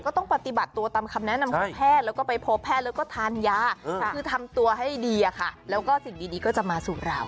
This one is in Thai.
ต้องปฏิบัติตัวตามคำแนะนำของแพทย์แล้วก็ไปพบแพทย์แล้วก็ทานยาคือทำตัวให้ดีอะค่ะแล้วก็สิ่งดีก็จะมาสู่เรา